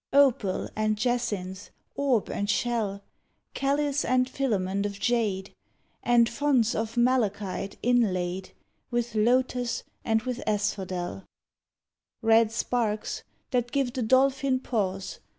— Opal and jacinth, orb and shell, Calice and filament of jade, And fonts of malachite inlaid With lotus and with asphodel, — Red sparks that give the dolphin pause.